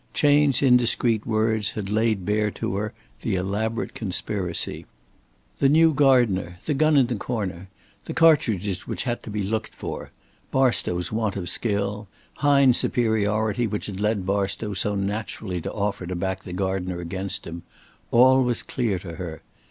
Chayne's indiscreet words had laid bare to her the elaborate conspiracy. The new gardener, the gun in the corner, the cartridges which had to be looked for, Barstow's want of skill, Hine's superiority which had led Barstow so naturally to offer to back the gardener against him all was clear to her.